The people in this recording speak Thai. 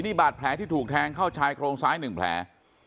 นี่บาดแผลที่ถูกแทงเข้าชายโครงซ้าย๑แผล